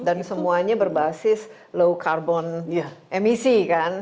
dan semuanya berbasis low carbon emisi kan